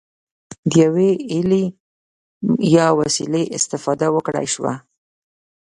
د یوې الې یا وسیلې استفاده وکړای شوه.